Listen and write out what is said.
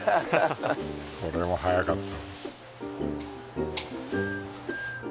これは早かった。